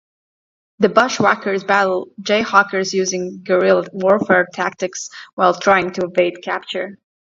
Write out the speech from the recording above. The Bushwhackers battle Jayhawkers using guerrilla warfare tactics while trying to evade capture.